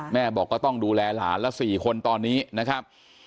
แม่บอกก็ต้องดูแลหลานละ๔คนตอนนี้นะครับ